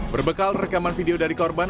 berbekal rekaman video dari korban